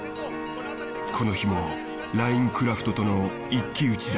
この日もラインクラフトとの一騎打ちだ。